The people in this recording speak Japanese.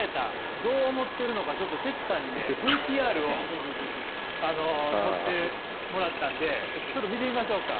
どう思ってるのかちょっとテツさんにねＶＴＲを撮ってもらったんでちょっと見てみましょうか。